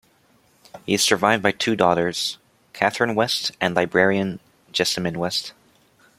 He is survived by two daughters, Katherine West and librarian Jessamyn West.